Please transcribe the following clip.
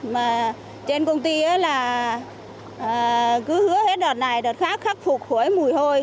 mà trên công ty là cứ hứa hết đợt này đợt khác khắc phục khói mùi hôi